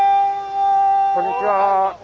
こんにちは。